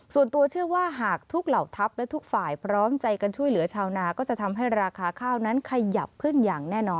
ส่วนตัวเชื่อว่าหากทุกเหล่าทัพและทุกฝ่ายพร้อมใจกันช่วยเหลือชาวนา